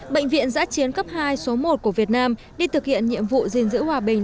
bệnh viện giã chiến cấp hai số một của việt nam đi thực hiện nhiệm vụ gìn giữ hòa bình